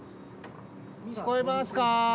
聞こえますか？